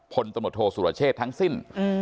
พลตมโทษศุรเชษทั้งสิ้น